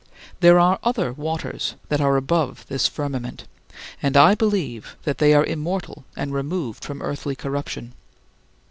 18. There are other waters that are above this firmament, and I believe that they are immortal and removed from earthly corruption.